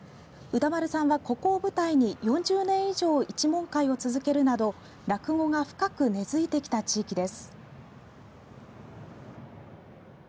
歌丸さんは、ここを舞台に４０年以上一門会を続けるなど落語が深く根付いてきた地域です。